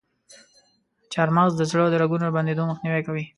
چارمغز د زړه د رګونو بندیدو مخنیوی کوي.